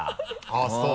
あぁそう。